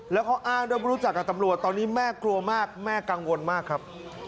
แล้วเขาอ้างด้วยรู้จักกับตำรวจตอนนี้แม่กลัวมากแม่กังวลมากครับ